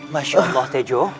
masya allah teco